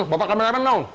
bapak kebenaran dong